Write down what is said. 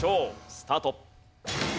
スタート。